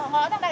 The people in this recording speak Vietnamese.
ngó đằng này